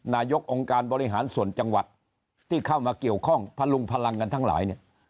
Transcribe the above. นายกองค์การบริหารส่วนจังหวัดที่เข้ามาเกี่ยวข้องพลุงพลังกันทั้งหลายเนี่ย